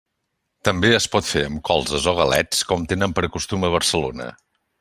També es pot fer amb colzes o galets, com tenen per costum a Barcelona.